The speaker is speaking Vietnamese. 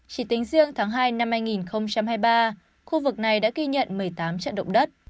chỉ tính riêng tháng hai năm hai nghìn hai mươi ba khu vực này đã ghi nhận một mươi tám trận động đất